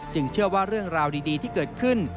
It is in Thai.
เชื่อว่าเรื่องราวดีที่เกิดขึ้น